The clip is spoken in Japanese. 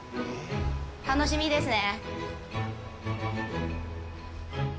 楽しみですね。